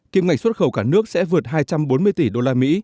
kiếm ngạch xuất khẩu cả nước sẽ vượt hai trăm bốn mươi tỷ usd